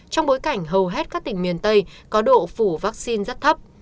trong bối cảnh hầu hết các tỉnh miền tây có độ phủ vaccine rất thấp